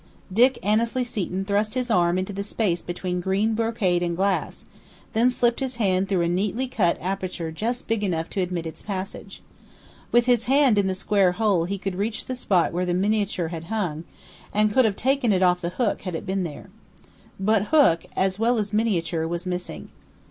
Dick Annesley Seton thrust his arm into the space between green brocade and glass, then slipped his hand through a neatly cut aperture just big enough to admit its passage. With his hand in the square hole he could reach the spot where the miniature had hung, and could have taken it off the hook had it been there. But hook, as well as miniature, was missing.